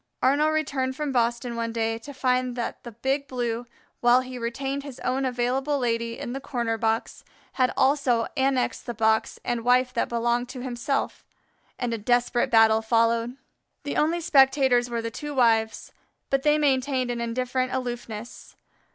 Arnaux returned from Boston one day to find that the Big Blue, while he retained his own Available Lady in the corner box, had also annexed the box and wife that belonged to himself, and a desperate battle followed. The only spectators were the two wives, but they maintained an indifferent aloofness.